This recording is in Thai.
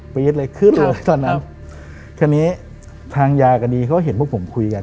ปรี๊ดเลยขึ้นลงตอนนั้นทางยากดีเขาเห็นพวกผมคุยกัน